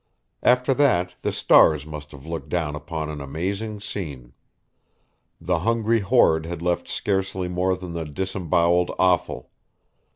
After that the stars must have looked down upon an amazing scene. The hungry horde had left scarcely more than the disemboweled offal.